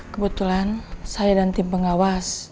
kebetulan saya dan tim pengawas